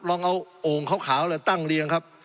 ลองเอาโอ่งขาวตั้งเรียงครับ